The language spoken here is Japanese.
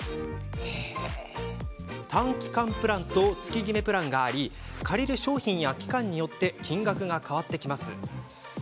短期間プランと月ぎめプランがあり借りる商品や期間によって金額が変わります。